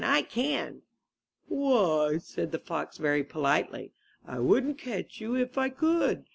I canT* Why,'' said the fox very politely, *'I wouldn't catch you if I could.